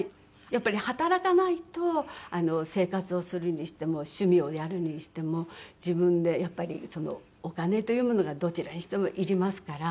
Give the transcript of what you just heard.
やっぱり働かないと生活をするにしても趣味をやるにしても自分でやっぱりお金というものがどちらにしてもいりますから。